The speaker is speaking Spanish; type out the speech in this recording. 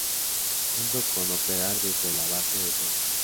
Junto con operar desde la base de Toul.